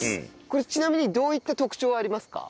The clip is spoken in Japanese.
これちなみにどういった特徴ありますか？